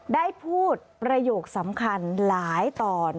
ได้พูดประโยคสำคัญหลายตอน